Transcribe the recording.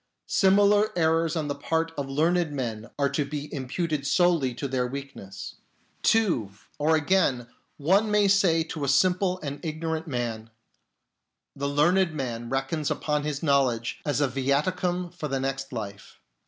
Similar errors on the part of learned men are to be im puted solely to their weakness." TIMOR DOMINI ODIT MALUM 59 (2) Or again, one may say to a simple and ignorant man :" The learned man reckons upon his knowledge as a viaticum for the next life.